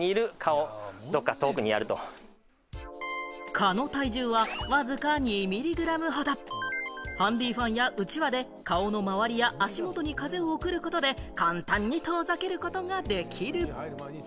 蚊の体重はわずか２ミリグラムほどハンディファンやうちわで顔の周りや足元に風を送ることで、簡単に遠ざけることができる。